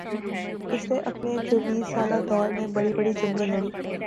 اس نے اپنے چوبیس سالہ دور میں بڑی بڑی جنگیں لڑیں